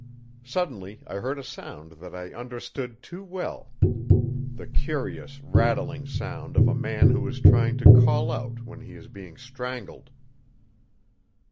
Suddenly I heard a sound that I understood too well the curious, rattling sound of a man who is trying to call out when he is being strangled.